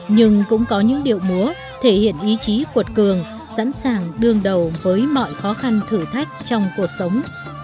nhưng cũng có những điệu múa thể hiện ý chí cuột cường sẵn sàng đương đầu với mọi khó khăn thử thách trong cuộc sống